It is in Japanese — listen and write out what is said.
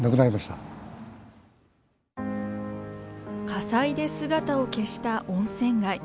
火災で姿を消した温泉街。